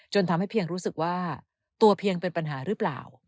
ทำให้เพียงรู้สึกว่าตัวเพียงเป็นปัญหาหรือเปล่า